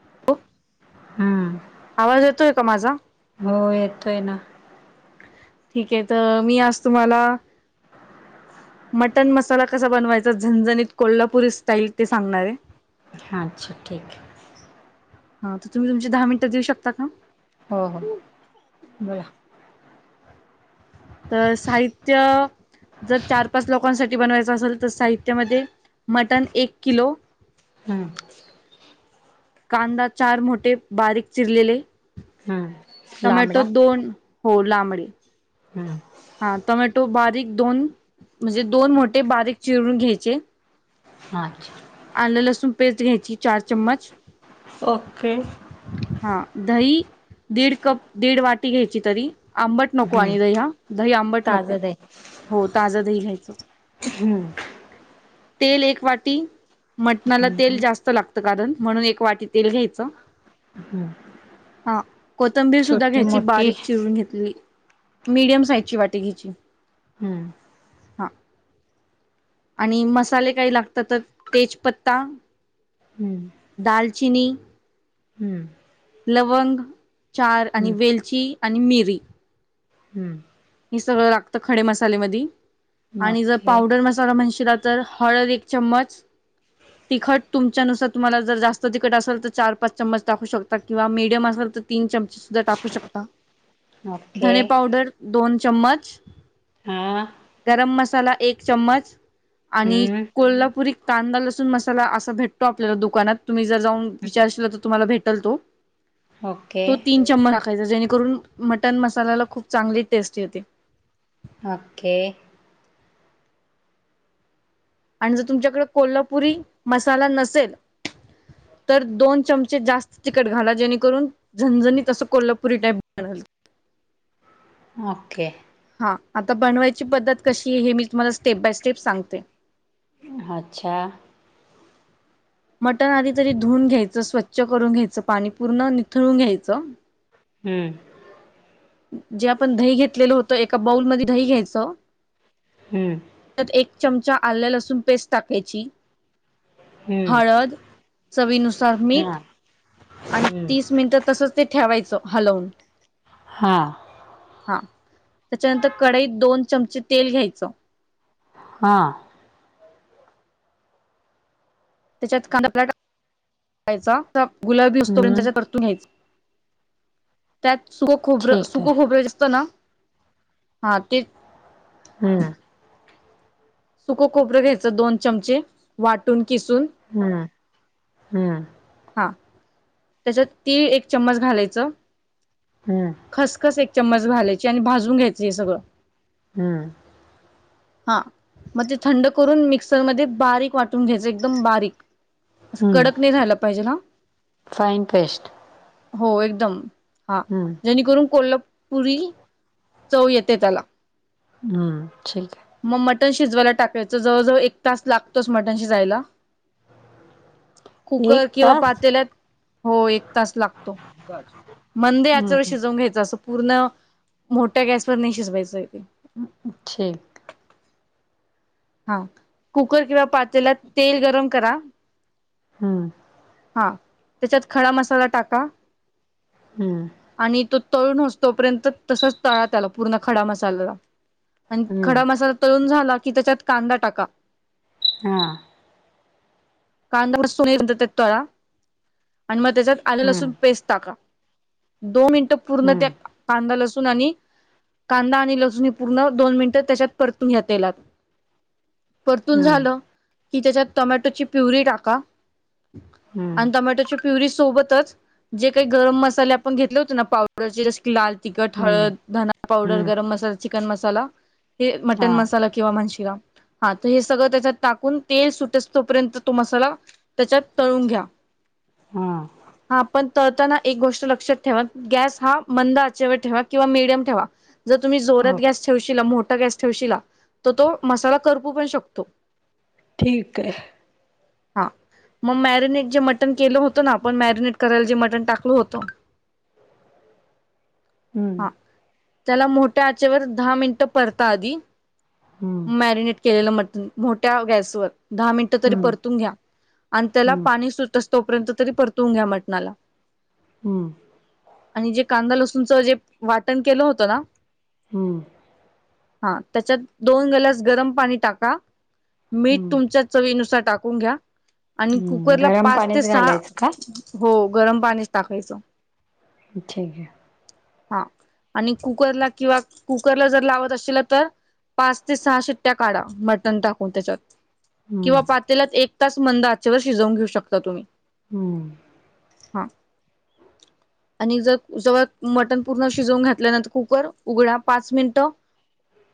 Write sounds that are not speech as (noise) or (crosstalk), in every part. (unintelligible) हम्म आवाज येतोय का माझा? हो यतोय ना ठीक आहे तर मी आज तुम्हाला मटण मसाला कसा बनवायचा झणझणीत कोल्हापुरी स्टाईल ते सांगणार आहे अच्छा ठीक आहे हा तर तुम्ही तुमचे दहा मिनिटं देऊ शकता का? हो- हो बोला तर साहित्य जर चार -पाच लोक कोणासाठी बनवायचा असेल तर साहित्यामध्ये मटन एक किलो हम्म (inaudible) कांदा चार मोठे बारीक चिरलेले हम्म टमॅटो लांबडा दोन हो लांबडे हम्म हा टमॅटो बारीक दोन म्हणजे दोन मोठे बारीक चिरून घ्यायचे आच्छा... आलं -लसूण पेस्ट घ्यायची चार चम्मच ओके हा दही दीड कप -दीड वाटी घ्यायची तरी आंबट नको हम्म आणि दही हा, दही आंबट नको ताजं दही हो ताजं दही घ्यायचं. हम्म तेल एक वाटी मटणाला हम्म तेल जास्त लागतं कारण म्हणून एक वाटी तेल घ्यायचं हम्म हा कोथंबीर सुद्धा छोटी घ्यायची मोठी बारीक चिरून घेतलेली. मीडियम साइजची वाटी घ्यायची हम्म हा आणि मसाले काही लागतात तर तेजपत्ता हम्म दालचिनी हम्म लवंग चार आणि हम्म वेलची आणि मिरी हम्म हे सगळं लागत खडे मसालेमध्ये आणि जर ओके पावडर मसाला म्हणशीला तर हळद एक चम्मच तिखट तुमच्यानुसार तुम्हाला जर जास्त तिखट असेल तर चार- पाच चमच टाकू शकता किंवा मीडियम असेल तर तीन चमचे सुद्धा टाकू शकता ओके धने पावडर दोन चम्मच हां गरम मसाला एक चम्मच आणि हम्म कोल्हापुरी कांदा लसूण मसाला असा भेटतो आपल्याला दुकानात तुम्ही जर जाऊन हम्म विचारशीलला तर तुम्हाला भेटल तो. ओके तो तीन चम्मच टाकायचा जेणेकरून मटन मसाल्याला खूप चांगले टेस्ट येते ओके आणि जर तुमच्याकडे कोल्हापुरी मसाला नसेल (inaudible) तर दोन चमचे जास्त तिखट घाला जेणेकरून झनझणीतसं कोल्हापुरी टाईप बनल (unintelligible) ओके हा आता बनवायची पद्धत कशी आहे हे मी तुम्हाला स्टेप बाय स्टेप सांगते अच्छा मटण आधी तरी धुून घ्यायचं स्वच्छ करून घ्यायचं पाणी पूर्ण निथळून घ्यायचं. हम्म जे आपण दही घेतलेलं होतं एका बाऊल मध्ये दही घ्यायचं हम्म त्यात एक चमचा आल्या लसूण पेस्ट टाकायची. हम्म हळद चवीनुसार मीठ हां आणि हम्म तीस मिनिटं तसच ते ठेवायचं हलवून. हा हा त्याच्यानंतर कडईत दोन चमचे तेल घ्यायचं. हा त्याच्यात कांदा प्टयचा गुलाबी उसतो हं, त्याच्या तरतून घ्यायच. त्यात सुक खोबरं ठीक सुक आहे. खोबरं जास्तं ना हा तेच हं, सुक खोबर घ्यायचं दोन चमचे वाटून किसून हम्म हम्म त्याच्यात तीळ एक चममच घालायच हं, खसखस एक चम्मच घालायची आणि भाजून घ्यायच हे सगळं हम्म हा मग ते थंड करून मिक्सरमध्ये बारीक वाटून घ्यायच एकदम बारीक. हं. कडक नाही झालं. फाईन पेस्ट हो एकदम हा हं, जेणेकरून कोल्हापूर पुरी चव येते त्याला हम्म ठीक मग मटण शिजवायला टाकायचं जवळजवळ एक तास लागतोच मटन शिजायला आहे. कुकर किंवा तास? पातेलात हो एक एक तास लागतो बर मंद हं, आचेवर हं, शिजवून घ्यायचं असं पूर्ण मोठ्या गॅसवर नाही शिजवायचं ते ठीक हा कुकर किंवा पातेला तेल गरम करा हम्म हा त्याच्यात खडा मसाला टाका हं, आणि तो तळून हो तोपर्यंत तसच तळा त्या आला पूर्ण खडा मसाल्याला आणि हं. खडा मसाला तळून झाला की त्याच्यात कांदा टाका हा कांदा सोनी तळा आणि मग त्याच्यात आले हं, लसून पेस्ट टाका दोन मिनिट पूर्ण हं, त्या कांदा्या ल असून आणि कांदा आणि लसूणी पूर्ण दोन मिनिटं त्याच्यात परतून तेलात परतून हं, झालं की त्याच्यात टोमॅटोची प्युरी टाका हं, आणि टोमाॅटो चुट प्युरी सोबतच जे काही गरम मसाले आपण घेतले होते ना पावडरचे जस की लाल तिखट हं, हळद धना पावडर हं. गरम मसाला चिकन मसाला हे मटन हां, मसाला किंवा म्हण हा हे सगळं त्याच्यात टाकून तेल सुटोपर्यंत. तो मसाला त्याच्यात तळून घ्या हम हा पण तळताना एक गोष्ट लक्षात ठेवा गॅस हा मंद आचेवर ठेवा किंवा मिडियम ठेवा जर तुम्ही जोरात ओके. गॅस ठेवशील मोठ गॅस ठेवला तर तो मसाला करपू पण शकतो ठीक आहे. हा मग मॅरिनेट जे मटन केलं होतं ना आपण मॅरिनेट करायला जे मटन टाकल होतं. (unintelligible) हम्म हा त्याला मोठ्या आचेवर दहा मिनटं परता आधी हं, मॅरिनेट केलेलं म्हट मोठ्या गॅस वर दहा मिनट तरी हं, परतून घ्या आणि त्या हं, हं, पाणी सु तोपर्यंत तरी परतवून घ्या म्हटणाला. हम्म आणि जे कांदा लसूणचं जे वाटण केलं होतं ना हम्म हा त्याच्यात दोन ग्लास गरम पाणी टाका मीठ तुमच्या चवीनुसार ून घ्या आणि हं. कुकरला गरम पाच ते पाणीच सहा घालायचं का? हो गरम पाणीच टाकायचो. ठीक आहे. हा आणि कुकरला किंवा कुकरला जर लावत असल तर पाच ते सहा शिट्ट्या काढा मटण टाकून त्याच्यात किंवा हम्म पातेल्यात एक तास मंद आच्यावर शिजवून घेऊ शकता तुम्ही हम्म हा आणि जर जवळ मटण पूर्ण शिजवून घातल्यानंतर कुकर उघडा पाच मिनिटं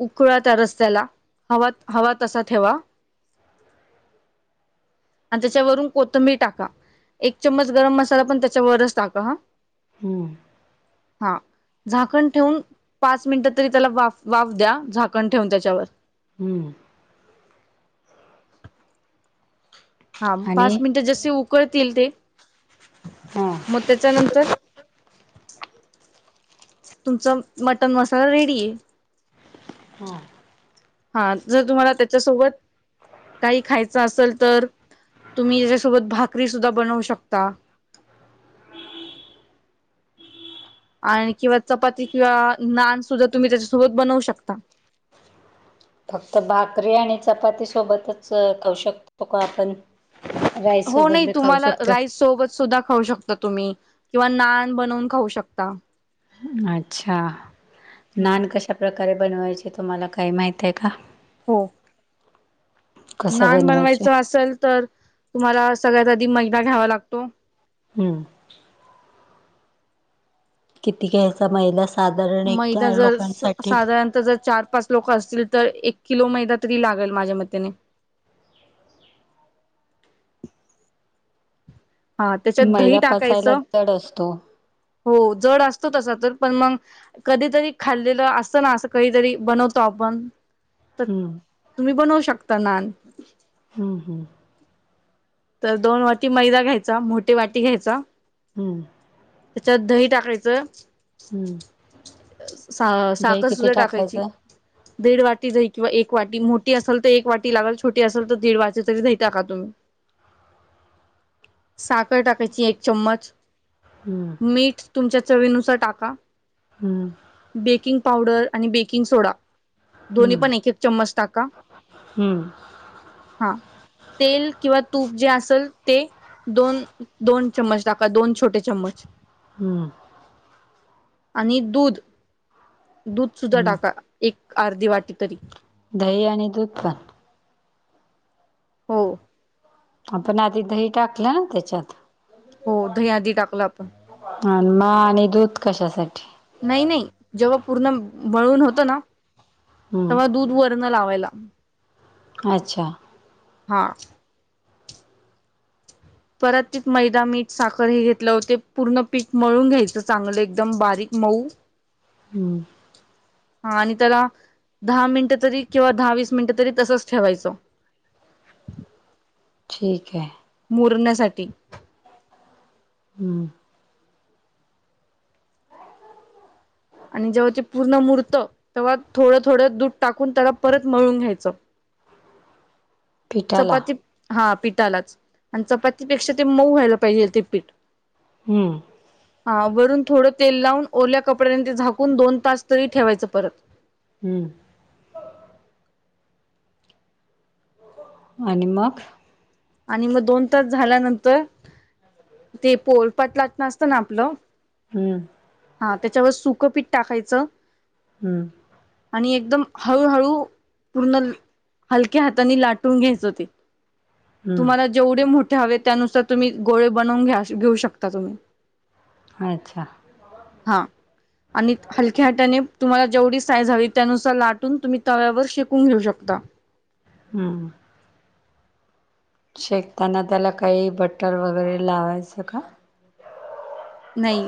उकळा त्या रस्त्याला हवा हवा तसा ठेवा (unintelligible) आणि त्याच्यावरून कोथंबीर टाका एक चम्मच गरम मसाला पण त्याच्यावरच टाका हा हम्म हा झाकण ठेवून पाच मिनिटं तरी त्याला वा वाफ द्या झाकण ठेवून त्याच्यावर हम्म हा आणि पाच मिनिटं जसे उकळतील ते हा मग त्याच्या नंतर तुमचा मटन मसाला रेडी आहे हो हा जर तुम्हाला त्याच्यासोबत काही खायचं असेल तर तुम्ही त्याच्यासोबत भाकरी सुद्धा बनवू शकता आणि किंवा चपाती किंवा नान सुद्धा तुम्ही त्याच्यासोबत बनवू शकता (unintelligible) फक्त भाकरी आणि चपाती सोबतच खाऊू शकतो का आपण राईस हो सोबत नाही, बी खाऊ तुम्हाला शकतो. राईस सोबत सुद्धा खाऊ शकतात. तुम्ही किंवा नान बनवून खाऊ शकता. अच्छा! हम्म नान कशा प्रकारे बनवायचे तुम्हाला काही माहित आहे का? हो. कसे नान बनवायचे? बनवायचं असल तर, तुम्हाला सगळ्यात आधी मैदा घ्यावा लागतो. हम. किती घ्यायचा मैदा? साधारण एक मैदा चार जर लोकांसाठी? साधारणत जर चार पाच लोक असतील तर एक किलो मैदा तरी लागेल माझ्या मतेने. अ त्याच्यात दही मैदा पचायला टाकायचं जड असतो. हो जड असतो तसा तर पण मग कधीतरी खाल्लेलं असतं ना अस कहीतरी बनवतो हम्म तुम्ही बनवू शकता नान हम्म हम्म तर दोन वाटी मैदा घ्यायचा मोठे वाटी घ्यायचा हम्म त्या दही टाकायचं हम्म सा दही साखर किती सुद्धा टाकायची टाकायचं? दीड वाटी जाई किंवा एक वाटी मोठी असेल तर एक वाटी लागल छोट असेल तर दीड वाटी तरी जा टाका तुम्ही साखर टाकायची एक चमच हम्म मीठ तुमच्या चवीनुसार टाका हम्म बेकिंग पावडर आणि बेकिंग सोडा दोन्ही हम्म पण एक एक चम्मच टाका हम्म हा तेल किंवा तूप जे अस असल ते दोन दोन चम्मच टाका दोन छोटे चम्मच हम्म आणि दूध दूध सुद्धा हम्म टाका एक अर्धी वाटी तरी दही आणि दूध पण हो आपण आधी दही टाकलं ना त्याच्यात हो द आधी टाकलं आपण आणि मा आणि दूध कशा अस आहे नाही नाही जेव्हा पूर्ण वळून होतं ना तेव्हा हम्म दूध वरण लावायला अच्छा हा परत त मैदा मीठ साखर हे घेतले होते पूर्ण पीक मळून घ्यायचं चांगलं एकदम बारीक पाऊ हम्म हा आणि त्याला दहा मिनिट तरी किंवा दहा वीस मिनिट तरी तसच ठेवायचं ठीक आहे पुरण्यासाठी हुं आणि जेव्हा ते पूर्ण मुरतं तेव्हा थोडं थोडं दूध टाकून त्याला परत मळून घ्यायचं पिठाला चपाती हा पिठालाच आणि चपातीपेक्षा ते मऊ व्हायला पाहिजेल ते पीठ हू हा वरून थोडं तेल लावून ओल्या कपड्याने ते झाकून दोन तास तरी ठेवायचं परत हू आणि मग आणि मग दोन तास झाल्यानंतर ते पोळपाट लाटणं असतं ना आपलं हम्म हा त्याच्यावर सुकं पीठ टाकायचं हू आणि एकदम हळूहळू पूर्ण हलक्या हातानी लाटून घ्यायचं ते तुम्हांला हम्म जेवढे मोठे हवे त्यानुसार तुम्ही गोळे बनवून घ्या घेऊ शकता तुम्ही अच्छा हा आणि हलक्या हाताने तुम्हाला जेवढी साईज हवी त्यानुसार लाटून तुम्ही तव्यावर शेकून घेऊ शकता हुं शेकताना त्याला काही बटर वगैरे लावायचं का? नाही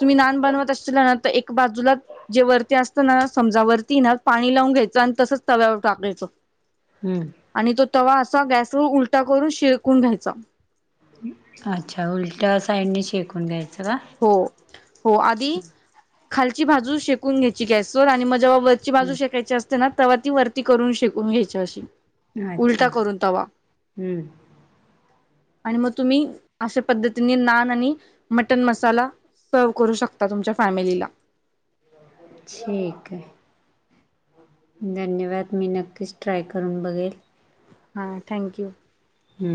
तुम्ही नान बनवत असशीलाना त एक बाजूला जे वरती असत ना समजा वर तीना पाणी लावून घ्यायचं आणि तसच तव्यावर टाकायचं. हम्म आणि तो तवा असा गॅसवर उलटा करून शिळकून घ्यायचा. अच्छा! उलट्या साईडनी शेकून द्याय हो, हो आधी खालची बाजू शेकून घ्यायची गॅसवर आणि म जेव्हा वरची बाजू हम्म शेकायची असते ना, तवा ती वरती करून शेकून घ्यायची अशी अच्छा! उलटा करून तवा हम्म आणि मग तुम्ही अशा पद्धतीने नान आणि मट टण मसाला सर्व्ह करू शकता तुमच्या फॅमिलीला छिक आय धन्यवाद, मी नक्कीच ट्राय करून बघेल. हा थँक्यू हू.